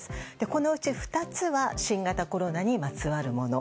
このうち２つは新型コロナにまつわるもの。